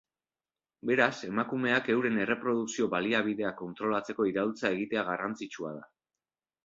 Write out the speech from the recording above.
Beraz, emakumeak euren erreprodukzio baliabideak kontrolatzeko iraultza egitea garrantzitsua da.